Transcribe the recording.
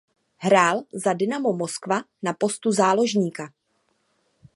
Hrál za Dinamo Moskva na postu záložníka.